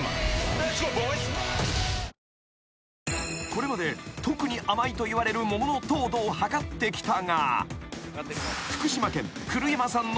［これまで特に甘いといわれる桃の糖度を測ってきたが］